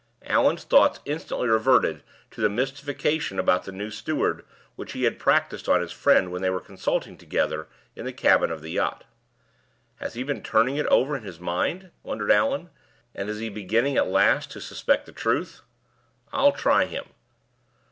Allan's thoughts instantly reverted to the mystification about the new steward which he had practiced on his friend when they were consulting together in the cabin of the yacht. "Has he been turning it over in his mind?" wondered Allan; "and is he beginning at last to suspect the truth? I'll try him.